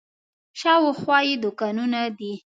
شاوخوا یې دوکانونه دي.